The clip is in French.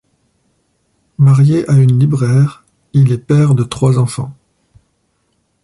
Marié à une libraire, il est père de trois enfants.